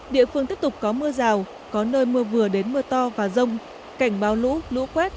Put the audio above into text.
địa phương tiếp tục có mưa rào có nơi mưa vừa đến mưa to và rông cảnh báo lũ lũ quét